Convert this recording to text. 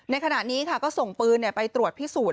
ในขณะนี้ก็ส่งปืนไปตรวจพิสูจน์